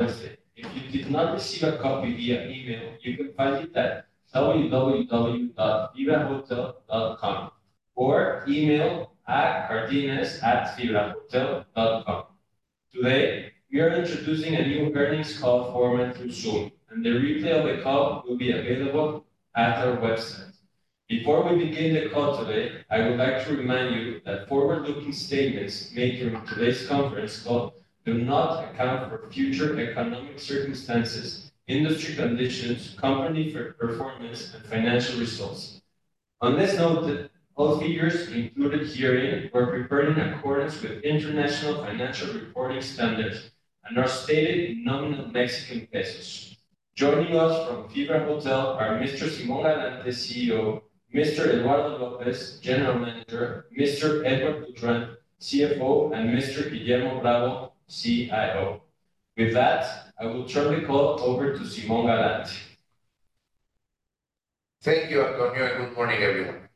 Wednesday. If you did not receive a copy via email, you can find it at www.fibrahotel.com or email at cardenas@fibrahotel.com. Today, we are introducing a new earnings call format through Zoom, and the replay of the call will be available at our website. Before we begin the call today, I would like to remind you that forward-looking statements made during today's conference call do not account for future economic circumstances, industry conditions, company performance, and financial results. On this note, all figures included herein were prepared in accordance with International Financial Reporting Standards and are stated in nominal Mexican pesos. Joining us from FibraHotel are Mr. Simón Galante, CEO; Mr. Eduardo López, General Manager; Mr. Edouard Boudrant, CFO; and Mr. Guillermo Bravo, CIO. With that, I will turn the call over to Simón Galante. Thank you, Antonio, and good morning, everyone.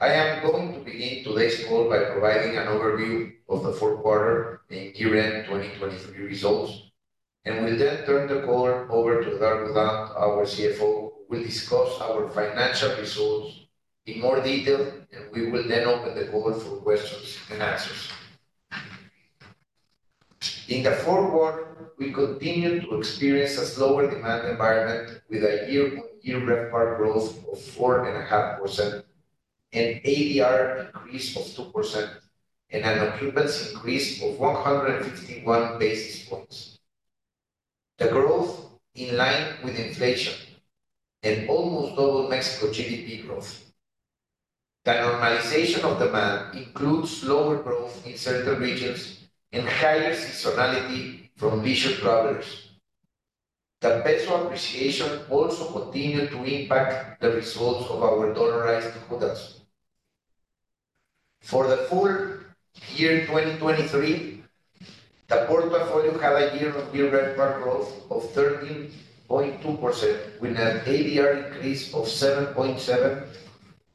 I am going to begin today's call by providing an overview of the fourth quarter and year-end 2023 results, and we'll then turn the call over to Edouard Boudrant, our CFO, who will discuss our financial results in more detail, and we will then open the call for questions and answers. In the fourth quarter, we continue to experience a slower demand environment with a year-on-year RevPAR growth of 4.5%, an ADR increase of 2%, and an occupancy increase of 151 basis points. The growth is in line with inflation and almost doubled Mexico GDP growth. The normalization of demand includes slower growth in certain regions and higher seasonality from leisure travelers. The peso appreciation also continues to impact the results of our dollarized holdings. For the full year 2023, the portfolio had a year-on-year RevPAR growth of 13.2%, with an ADR increase of 7.7%,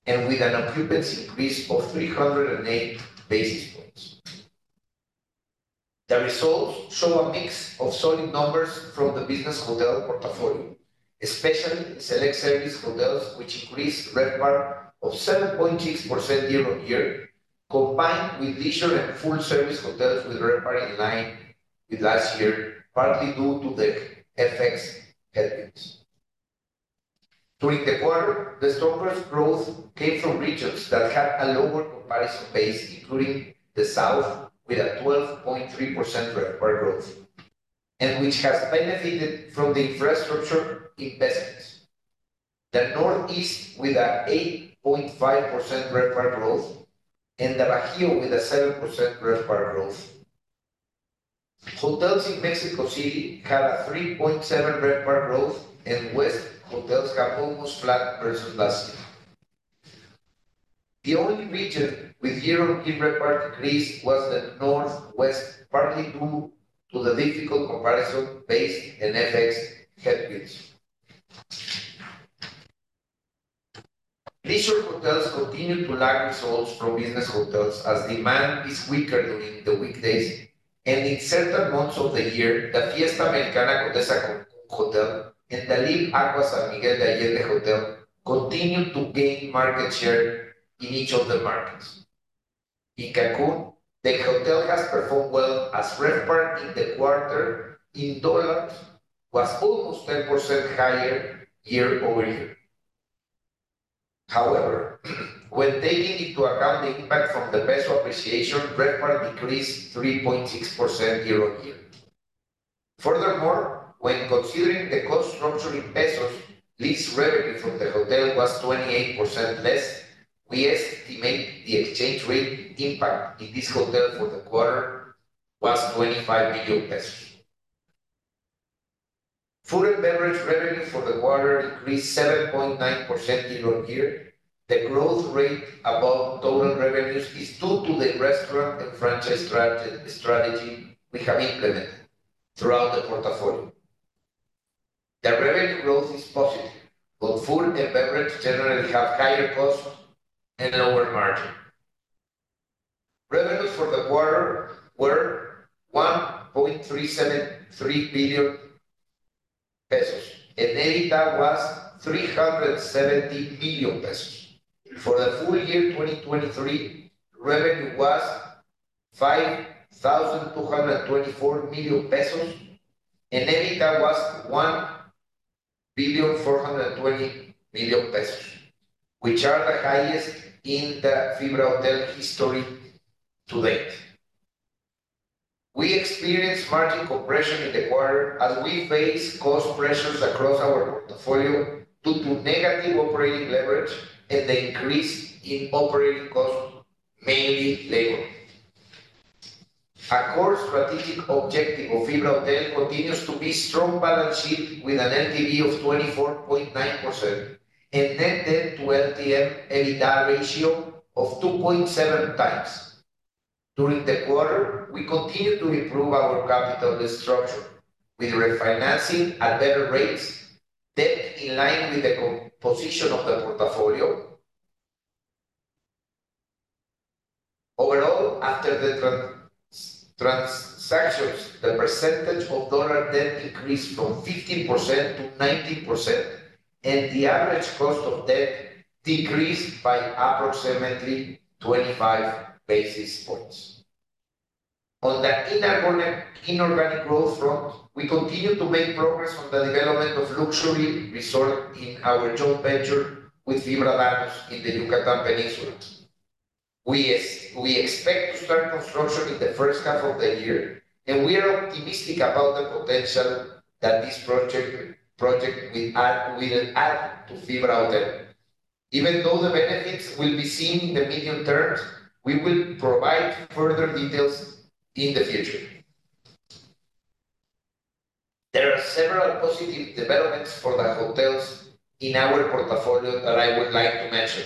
and with an occupancy increase of 308 basis points. The results show a mix of solid numbers from the business hotel portfolio, especially select service hotels which increased RevPAR growth of 7.6% year-on-year, combined with leisure and full-service hotels with RevPAR growth in line with last year, partly due to the FX headwinds. During the quarter, the strongest growth came from regions that had a lower comparison base, including the south, with a 12.3% RevPAR growth and which has benefited from the infrastructure investments. The northeast, with an 8.5% RevPAR growth, and the Bajío, with a 7% RevPAR growth. Hotels in Mexico City had a 3.7% RevPAR growth, and west hotels have almost flat versus last year. The only region with year-on-year RevPAR increase was the northwest, partly due to the difficult comparison base and FX headwinds. Leisure hotels continue to lag results from business hotels as demand is weaker during the weekdays, and in certain months of the year, the Fiesta Americana Condesa Cancún Hotel and the Live Aqua San Miguel de Allende Hotel continue to gain market share in each of the markets. In Cancún, the hotel has performed well as RevPAR growth in the quarter in dollars was almost 10% higher year-over-year. However, when taking into account the impact from the peso appreciation, RevPAR growth decreased 3.6% year-on-year. Furthermore, when considering the cost structure in pesos, lease revenue from the hotel was 28% less. We estimate the exchange rate impact in this hotel for the quarter was $25 million. Food and beverage revenue for the quarter increased 7.9% year-on-year. The growth rate above total revenues is due to the restaurant and franchise strategy we have implemented throughout the portfolio. The revenue growth is positive, but food and beverage generally have higher costs and lower margins. Revenues for the quarter were 1.373 billion pesos, and EBITDA was 370 million pesos. For the full year 2023, revenue was 5,224 million pesos, and EBITDA was 1,420 million pesos, which are the highest in the FibraHotel history to date. We experienced margin compression in the quarter as we faced cost pressures across our portfolio due to negative operating leverage and the increase in operating costs, mainly labor. A core strategic objective of FibraHotel continues to be a strong balance sheet with an LTV of 24.9% and net debt-to-LTM/EBITDA ratio of 2.7x. During the quarter, we continue to improve our capital structure with refinancing at better rates, debt in line with the composition of the portfolio. Overall, after the transactions, the percentage of dollar debt increased from 15% to 19%, and the average cost of debt decreased by approximately 25 basis points. On the inorganic growth front, we continue to make progress on the development of luxury resorts in our joint venture with Fibra Danhos in the Yucatán Peninsula. We expect to start construction in the first half of the year, and we are optimistic about the potential that this project will add to FibraHotel. Even though the benefits will be seen in the medium term, we will provide further details in the future. There are several positive developments for the hotels in our portfolio that I would like to mention.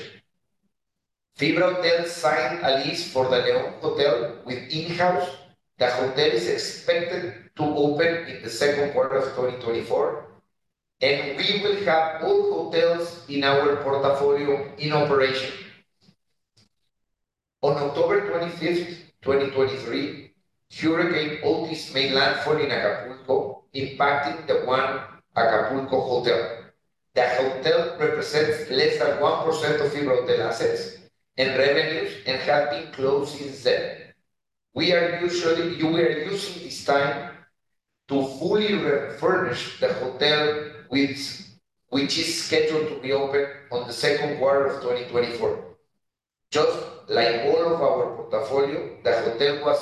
FibraHotel signed a lease for the León Hotel with InHouse. The hotel is expected to open in the second quarter of 2024, and we will have all hotels in our portfolio in operation. On October 25, 2023, Hurricane Otis made landfall in Acapulco, impacting the One Acapulco Hotel. The hotel represents less than 1% of FibraHotel assets and revenues and has been closed since then. We are using this time to fully refurnish the hotel, which is scheduled to be open on the second quarter of 2024. Just like all of our portfolio, the hotel was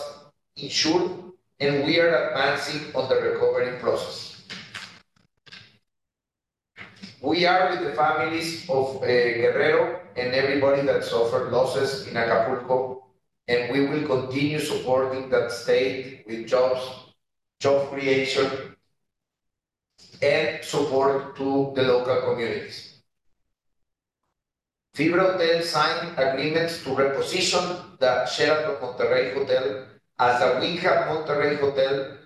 insured, and we are advancing on the recovery process. We are with the families of Guerrero and everybody that suffered losses in Acapulco, and we will continue supporting that state with job creation and support to the local communities. FibraHotel signed agreements to reposition the Sheraton Monterrey Hotel as a Wyndham Monterrey Hotel.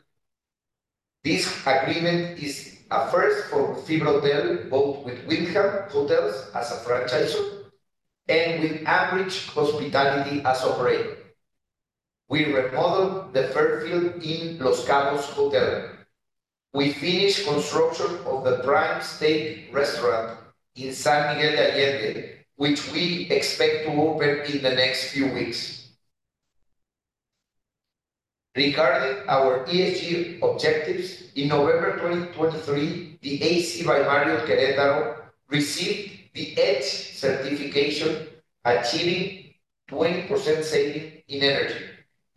This agreement is a first for FibraHotel, both with Wyndham Hotels as a franchise and with Aimbridge Hospitality as operator. We remodeled the Fairfield Inn Los Cabos Hotel. We finished construction of the Prime Steak Restaurant in San Miguel de Allende, which we expect to open in the next few weeks. Regarding our ESG objectives, in November 2023, the AC by Marriott Querétaro received the EDGE certification, achieving 20% savings in energy,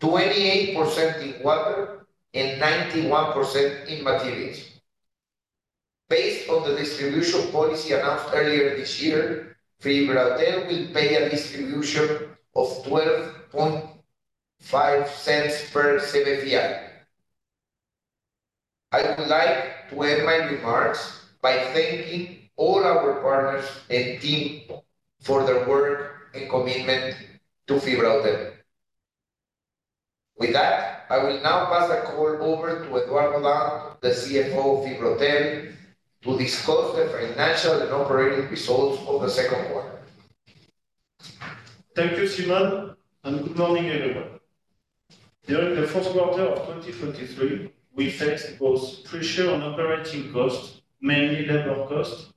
28% in water, and 91% in materials. Based on the distribution policy announced earlier this year, FibraHotel will pay a distribution of $0.125 per CBFI. I would like to end my remarks by thanking all our partners and team for their work and commitment to FibraHotel. With that, I will now pass the call over to Edouard Boudrant, the CFO of FibraHotel, to discuss the financial and operating results of the second quarter. Thank you, Simón, and good morning, everyone. During the fourth quarter of 2023, we faced both pressure on operating costs, mainly labor costs,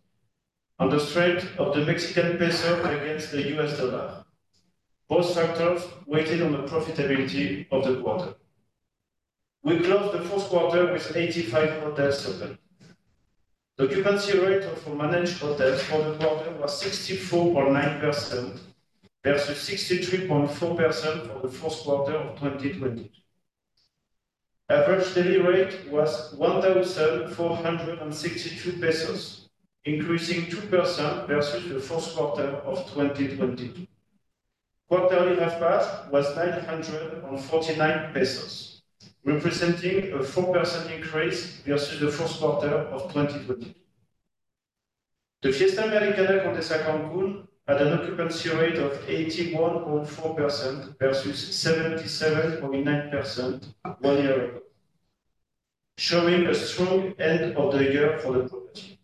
and the strength of the Mexican peso against the U.S. dollar, both factors weighed on the profitability of the quarter. We closed the fourth quarter with 85 hotels open. The occupancy rate for managed hotels for the quarter was 64.9% versus 63.4% for the fourth quarter of 2022. The average daily rate was 1,462 pesos, increasing 2% versus the fourth quarter of 2022. Quarterly RevPAR was 949 pesos, representing a 4% increase versus the fourth quarter of 2022. The Fiesta Americana Condesa Cancún had an occupancy rate of 81.4% versus 77.9% one year ago, showing a strong end of the year for the property.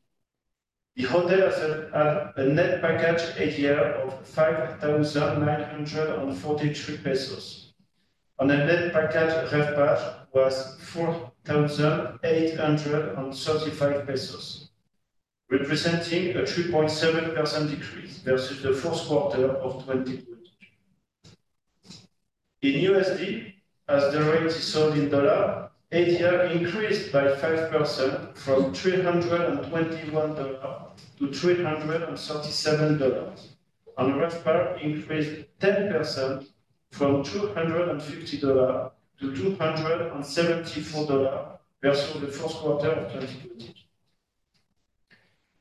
The hotel has had a Net Package ADR of 5,943 pesos, and the Net Package RevPAR was 4,835 pesos, representing a 3.7% decrease versus the fourth quarter of 2022. In USD, as the rate is sold in dollars, a year increased by 5% from $321 to $337, and the RevPAR increased 10% from $250 to $274 versus the fourth quarter of 2022.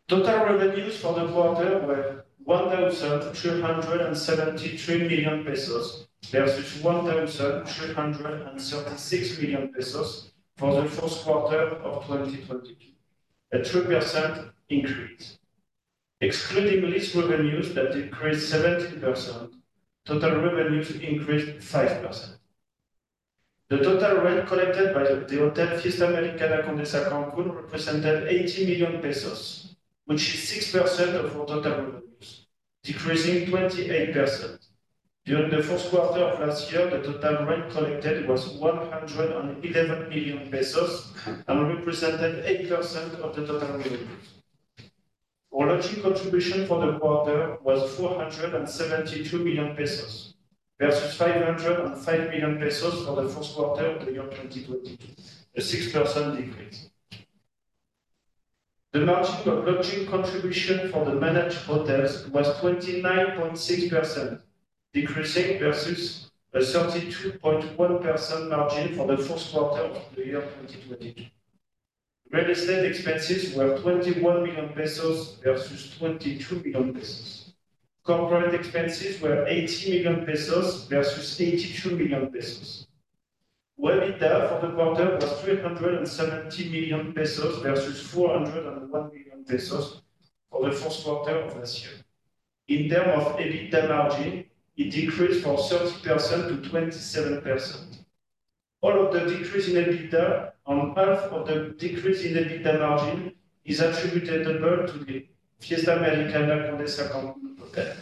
Total revenues for the quarter were 1,373 million pesos versus 1,336 million pesos for the fourth quarter of 2022, a 3% increase. Excluding lease revenues, that decreased 17%, total revenues increased 5%. The total rent collected by the hotel Fiesta Americana Condesa Cancún represented 80 million pesos, which is 6% of our total revenues, decreasing 28%. During the fourth quarter of last year, the total rent collected was 111 million pesos and represented 8% of the total revenues. Our lodging contribution for the quarter was 472 million pesos versus 505 million pesos for the fourth quarter of the year 2022, a 6% decrease. The margin of lodging contribution for the managed hotels was 29.6%, decreasing versus a 32.1% margin for the fourth quarter of the year 2022. Real estate expenses were 21 million pesos versus 22 million pesos. Corporate expenses were 80 million pesos versus 82 million pesos. EBITDA for the quarter was 370 million pesos versus 401 million pesos for the fourth quarter of last year. In terms of EBITDA margin, it decreased from 30% to 27%. All of the decrease in EBITDA, and half of the decrease in EBITDA margin, is attributable to the Fiesta Americana Condesa Cancún Hotel.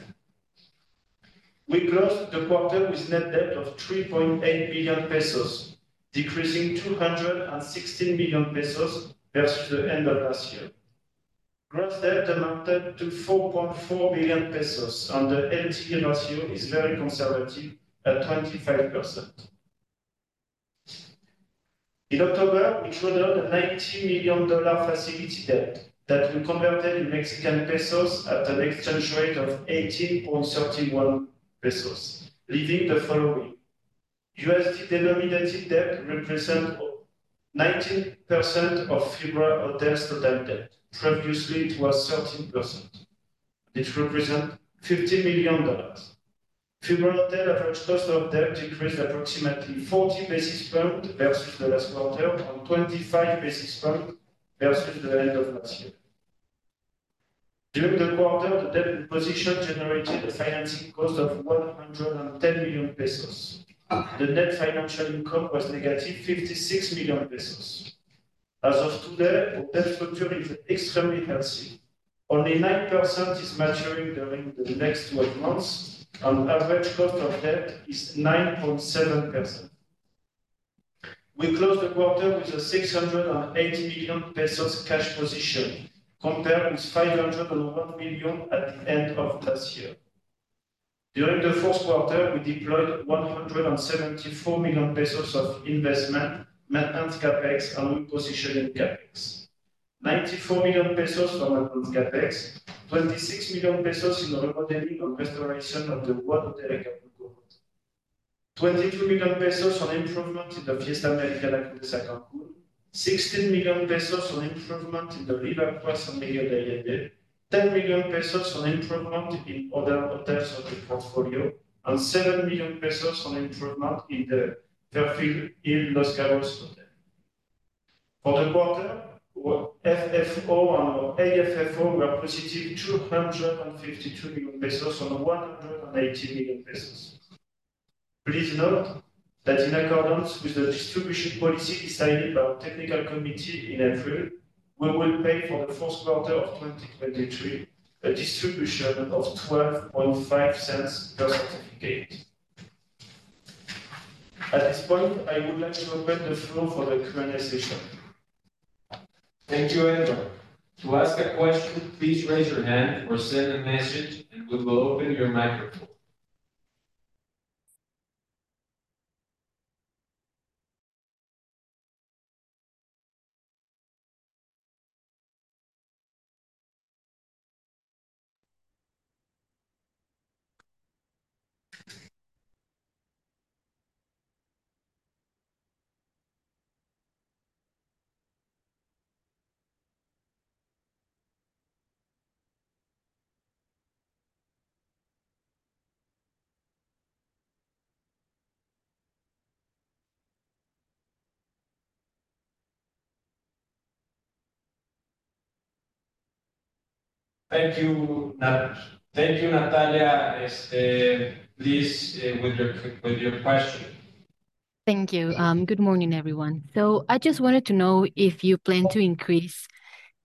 We closed the quarter with net debt of 3.8 billion pesos, decreasing 216 million pesos versus the end of last year. Gross debt amounted to 4.4 billion pesos, and the LTV ratio is very conservative at 25%. In October, we traded a $90 million facility debt that we converted to Mexican pesos at an exchange rate of 18.31 pesos, leaving the following: USD denominated debt represents 19% of FibraHotel's total debt. Previously, it was 13%. This represents $15 million. FibraHotel average cost of debt decreased approximately 40 basis points versus the last quarter and 25 basis points versus the end of last year. During the quarter, the debt position generated a financing cost of 110 million pesos. The net financial income was negative 56 million pesos. As of today, our debt structure is extremely healthy. Only 9% is maturing during the next 12 months, and the average cost of debt is 9.7%. We closed the quarter with a 680 million pesos cash position, compared with 501 million at the end of last year. During the fourth quarter, we deployed $174 million of investment, maintenance CAPEX, and repositioning CAPEX: $94 million from maintenance CAPEX, $26 million in remodeling and restoration of the One Acapulco Hotel, $22 million on improvement in the Fiesta Americana Condesa Cancún, $16 million on improvement in the Live Aqua San Miguel de Allende, $10 million on improvement in other hotels of the portfolio, and $7 million on improvement in the Fairfield Inn Los Cabos Hotel. For the quarter, our FFO and our AFFO were positive $252 million on $180 million. Please note that, in accordance with the distribution policy decided by our technical committee in April, we will pay for the fourth quarter of 2023 a distribution of $0.12 per certificate. At this point, I would like to open the floor for the Q&A session. Thank you, everyone. To ask a question, please raise your hand or send a message, and we will open your microphone. Thank you, Natalia. Please, with your question. Thank you. Good morning, everyone. I just wanted to know if you plan to increase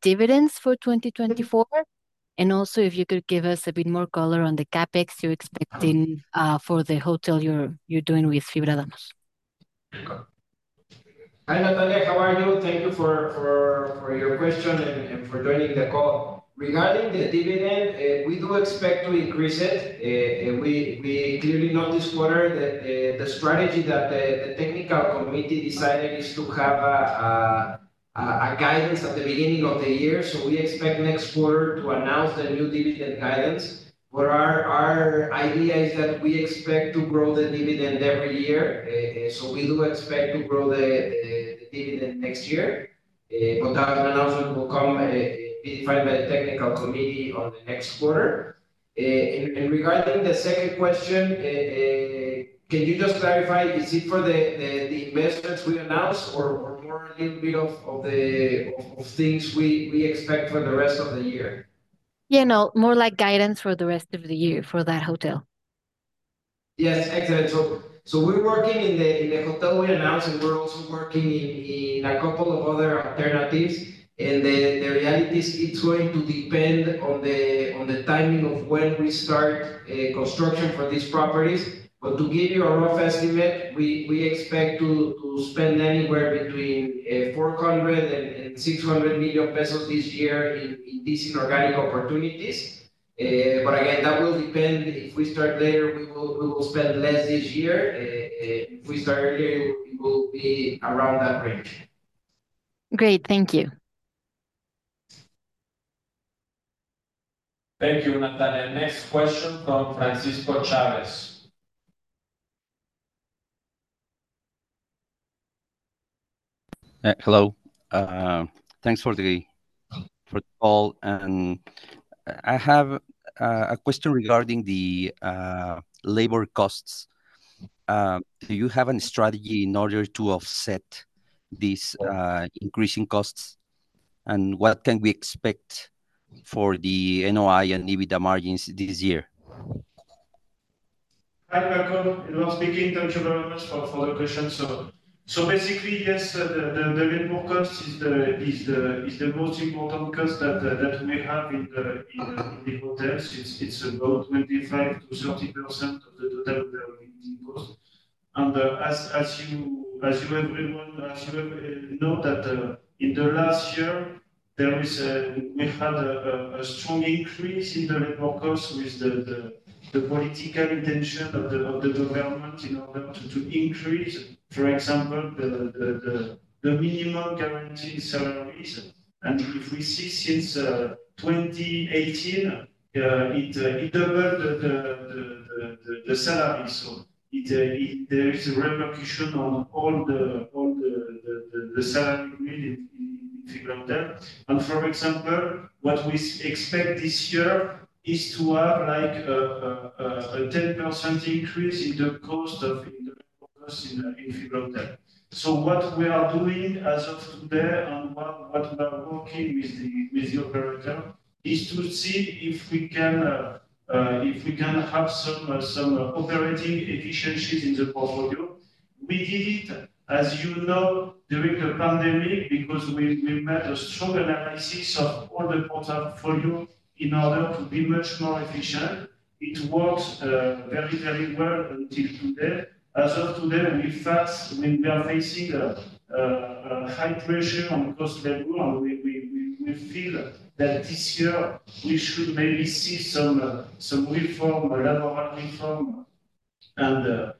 dividends for 2024, and also if you could give us a bit more color on the CAPEX you're expecting for the hotel you're doing with Fibra Danhos? Hi, Natalia. How are you? Thank you for your question and for joining the call. Regarding the dividend, we do expect to increase it. We clearly noticed this quarter that the strategy that the technical committee decided is to have guidance at the beginning of the year. So we expect next quarter to announce the new dividend guidance. But our idea is that we expect to grow the dividend every year. So we do expect to grow the dividend next year. But that announcement will come be defined by the technical committee on the next quarter. Regarding the second question, can you just clarify, is it for the investments we announce or more a little bit of the things we expect for the rest of the year? Yeah, no, more like guidance for the rest of the year for that hotel. Yes, excellent. So we're working in the hotel we announced, and we're also working in a couple of other alternatives. And the reality is it's going to depend on the timing of when we start construction for these properties. But to give you a rough estimate, we expect to spend anywhere between 400 million-600 million pesos this year in these inorganic opportunities. But again, that will depend. If we start later, we will spend less this year. If we start earlier, it will be around that range. Great. Thank you. Thank you, Natalia. Next question from Francisco Chávez. Hello. Thanks for the call. I have a question regarding the labor costs. Do you have a strategy in order to offset these increasing costs? What can we expect for the NOI and EBITDA margins this year? Hi, Marco. Hello. Speaking in terms of remarks for the question. So basically, yes, the labor cost is the most important cost that we have in the hotels. It's about 25%-30% of the total operating cost. And as you, everyone, know that in the last year, we had a strong increase in the labor costs with the political intention of the government in order to increase, for example, the minimum guaranteed salaries. And if we see since 2018, it doubled the salary. So there is a repercussion on all the salary grid in FibraHotel. And for example, what we expect this year is to have a 10% increase in the cost of labor costs in FibraHotel. So what we are doing as of today and what we are working with the operator is to see if we can have some operating efficiencies in the portfolio. We did it, as you know, during the pandemic because we made a strong analysis of all the portfolio in order to be much more efficient. It worked very, very well until today. As of today, we are facing high pressure on cost level, and we feel that this year, we should maybe see some reform, labor reform.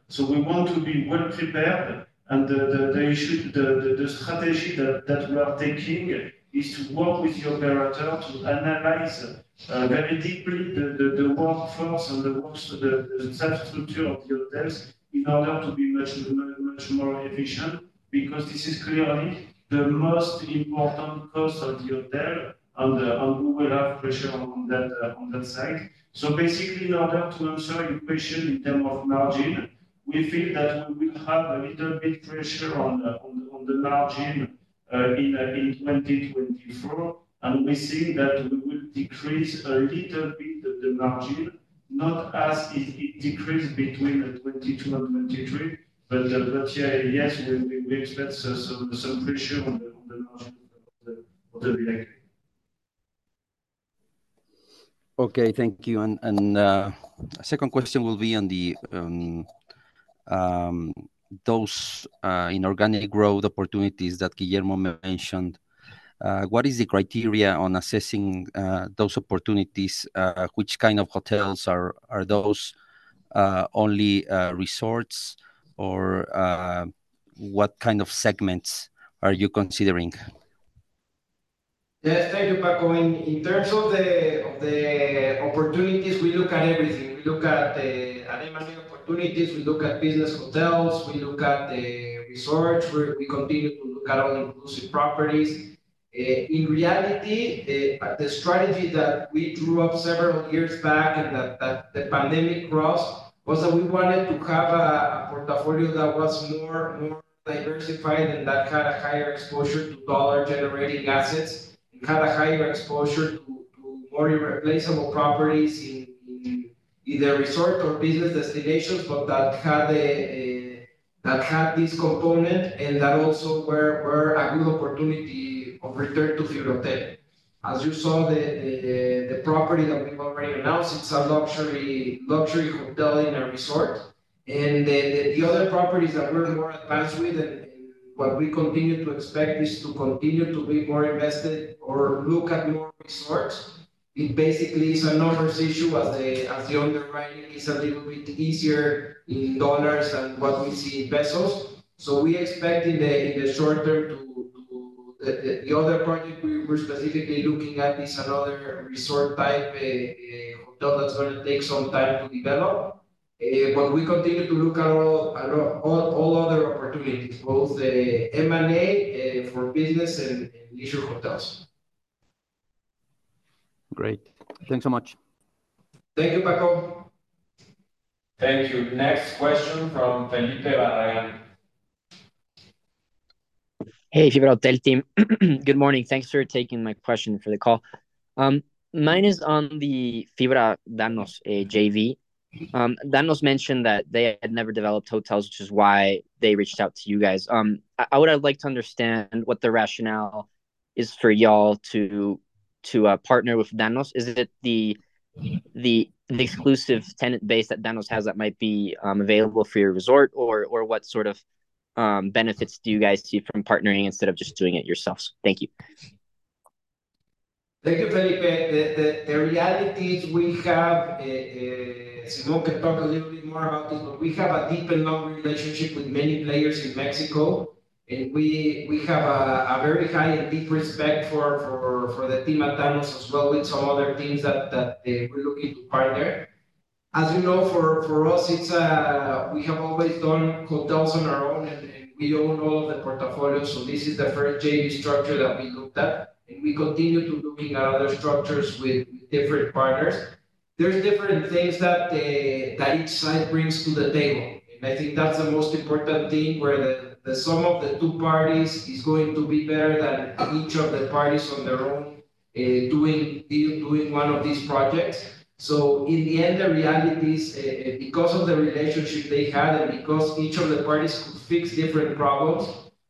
So we want to be well prepared. The strategy that we are taking is to work with the operator to analyze very deeply the workforce and the work structure of the hotels in order to be much more efficient because this is clearly the most important cost of the hotel, and we will have pressure on that side. So basically, in order to answer your question in terms of margin, we feel that we will have a little bit pressure on the margin in 2024. We think that we will decrease a little bit the margin, not as it decreased between 2022 and 2023, but yes, we expect some pressure on the margin of the GOP. Okay. Thank you. The second question will be on those inorganic growth opportunities that Guillermo mentioned. What is the criteria on assessing those opportunities? Which kind of hotels are those? Only resorts, or what kind of segments are you considering? Yes. Thank you, Marco. In terms of the opportunities, we look at everything. We look at M&A opportunities. We look at business hotels. We look at the resorts. We continue to look at all inclusive properties. In reality, the strategy that we drew up several years back and that the pandemic rose was that we wanted to have a portfolio that was more diversified and that had a higher exposure to dollar-generating assets and had a higher exposure to more irreplaceable properties in either resort or business destinations, but that had this component and that also were a good opportunity of return to FibraHotel. As you saw, the property that we've already announced, it's a luxury hotel in a resort. The other properties that we're more advanced with and what we continue to expect is to continue to be more invested or look at more resorts. It basically is a numbers issue as the underwriting is a little bit easier in dollars than what we see in pesos. So we expect in the short term to the other project we're specifically looking at is another resort-type hotel that's going to take some time to develop. But we continue to look at all other opportunities, both M&A for business and leisure hotels. Great. Thanks so much. Thank you, Marco. Thank you. Next question from Felipe Barragán. Hey, FibraHotel team. Good morning. Thanks for taking my question for the call. Mine is on the Fibra Danhos JV. Danhos mentioned that they had never developed hotels, which is why they reached out to you guys. I would like to understand what the rationale is for y'all to partner with Danhos. Is it the exclusive tenant base that Danhos has that might be available for your resort, or what sort of benefits do you guys see from partnering instead of just doing it yourselves? Thank you. Thank you, Felipe. The reality is we have Simón can talk a little bit more about this, but we have a deep and long relationship with many players in Mexico. And we have a very high and deep respect for the team at Danhos as well with some other teams that we're looking to partner. As you know, for us, we have always done hotels on our own, and we own all of the portfolio. So this is the first JV structure that we looked at. And we continue to look at other structures with different partners. There's different things that each side brings to the table. And I think that's the most important thing where the sum of the two parties is going to be better than each of the parties on their own doing one of these projects. So in the end, the reality is because of the relationship they had and because each of the parties could fix different problems,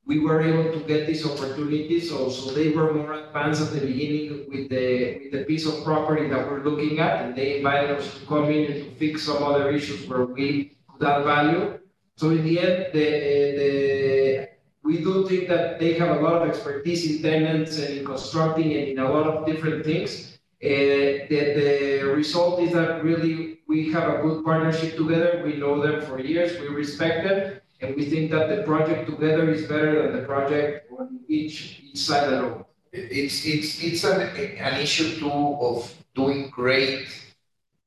we were able to get these opportunities. So they were more advanced at the beginning with the piece of property that we're looking at, and they invited us to come in and to fix some other issues where we could add value. So in the end, we do think that they have a lot of expertise in tenants and in constructing and in a lot of different things. The result is that really, we have a good partnership together. We know them for years. We respect them. And we think that the project together is better than the project on each side alone. It's an issue too of doing great,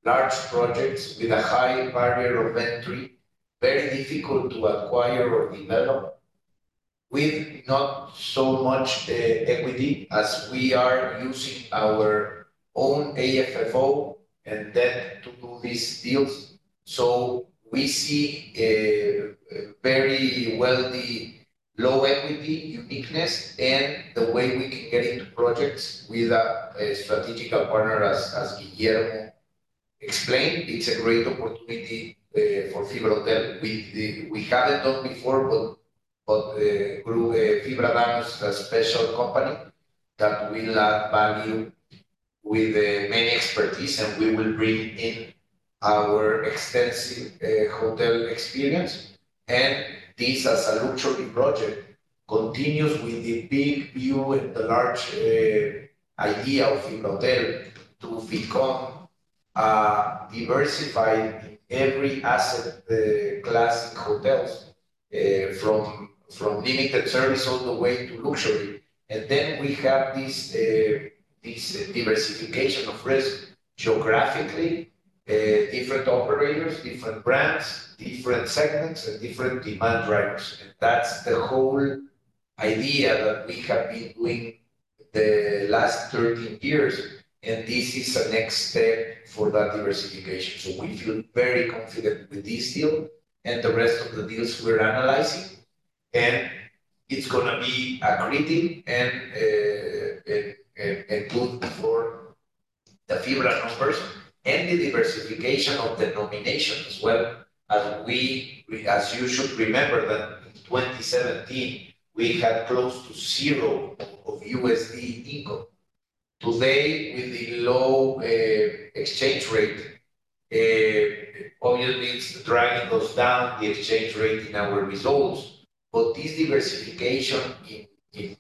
large projects with a high barrier of entry, very difficult to acquire or develop with not so much equity as we are using our own AFFO and debt to do these deals. So we see very well the low equity uniqueness and the way we can get into projects with a strategic partner, as Guillermo explained. It's a great opportunity for FibraHotel. We haven't done before, but through Fibra Danhos, a special company that will add value with many expertise, and we will bring in our extensive hotel experience. And this, as a luxury project, continues with the big view and the large idea of FibraHotel to become diversified in every asset class in hotels, from limited service all the way to luxury. And then we have this diversification of risk geographically, different operators, different brands, different segments, and different demand drivers. That's the whole idea that we have been doing the last 13 years. This is a next step for that diversification. So we feel very confident with this deal and the rest of the deals we're analyzing. It's going to be accretive and good for the Fibra numbers and the diversification of the denomination as well. As you should remember, that in 2017, we had close to zero USD income. Today, with the low exchange rate, obviously, it's dragging us down, the exchange rate, in our results. But this diversification in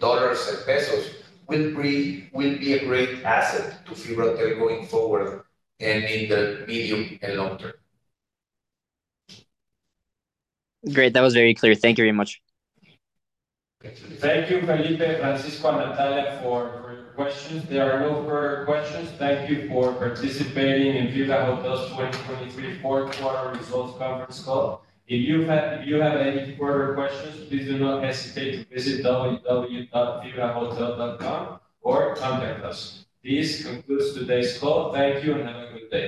dollars and pesos will be a great asset to FibraHotel going forward and in the medium and long term. Great. That was very clear. Thank you very much. Thank you, Felipe, Francisco, and Natalia for your questions. There are no further questions. Thank you for participating in FibraHotel's 2023 fourth quarter results conference call. If you have any further questions, please do not hesitate to visit www.fibrahotel.com or contact us. This concludes today's call. Thank you and have a good day.